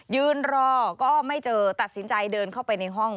ยืนรอก็ไม่เจอตัดสินใจเดินเข้าไปในห้อง